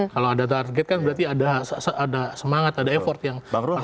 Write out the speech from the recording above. kalau ada target kan berarti ada semangat ada effort yang ada